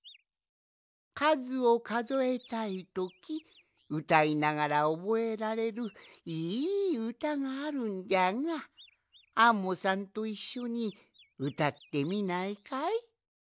かずをかぞえたいときうたいながらおぼえられるいいうたがあるんじゃがアンモさんといっしょにうたってみないかい？